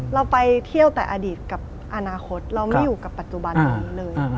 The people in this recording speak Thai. เราไปเที่ยวแต่อดีตกับอนาคตเราไม่อยู่กับปัจจุบันตรงนี้เลย